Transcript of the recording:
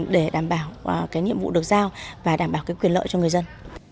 để đảm bảo cái nhiệm vụ được giao và đảm bảo cái quyền lợi cho người dân